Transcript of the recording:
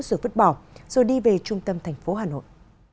rồi vứt bỏ rồi đi về trung tâm tp hà nội